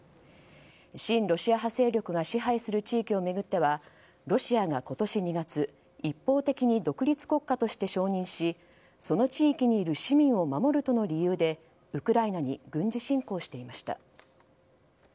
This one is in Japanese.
親ロシア派勢力が支配する地域を巡ってはロシアが今年２月一方的に独立国家として承認しその地域にいる市民を守るとの理由でウクライナに軍事侵攻していました。